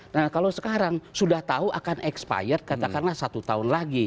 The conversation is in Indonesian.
nah kalau sekarang sudah tahu akan expired katakanlah satu tahun lagi